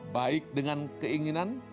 baik dengan keinginan